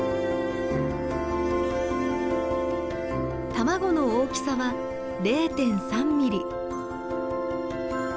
卵の大きさは０．３ミリ。